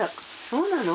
そうなの？